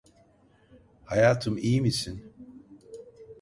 Hayatım, iyi misin?